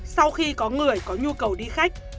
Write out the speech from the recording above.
sau khi có người có nhu cầu đi khách